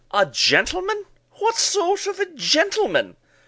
"A gentleman! what sort of a gentleman?"